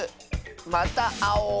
またあおう。